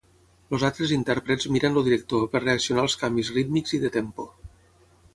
Els altres intèrprets miren el director per reaccionar als canvis rítmics i de tempo.